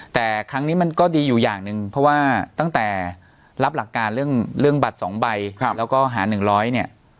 แต่ครั้งนี้มันก็ดีอยู่อย่างหนึ่งเพราะว่าตั้งแต่รับหลักการเรื่องบัตร๒ใบแล้วก็หา๑๐๐เนี่ย